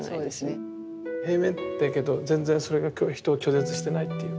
平面だけど全然それが人を拒絶してないっていうか。